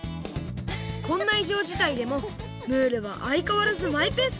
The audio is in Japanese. こんないじょうじたいでもムールはあいかわらずマイペースだったよね